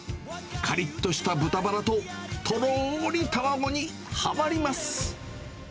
かりっとした豚バラと、とろーり卵にはまります。